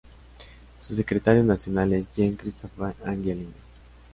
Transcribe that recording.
Su secretario nacional es Jean-Christophe Angelini.